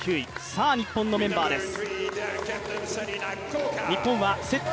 さあ日本のメンバーです。